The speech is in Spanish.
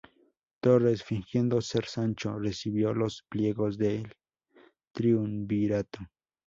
Torres, fingiendo ser Sancho, recibió los pliegos del Triunvirato.